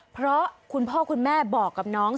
เพราะคุณพ่อคุณแม่บอกกับน้อง